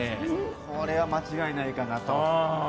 これは間違いないかなと。